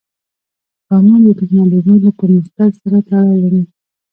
ښارونه د تکنالوژۍ له پرمختګ سره تړاو لري.